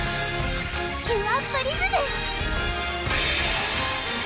キュアプリズム！